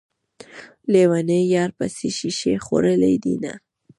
ليونی يار پسې شيشې خوړلي دينه